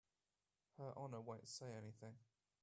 Her Honor won't say anything.